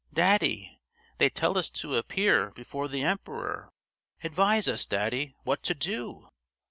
"Daddy! they tell us to appear before the emperor. Advise us, daddy, what to do!"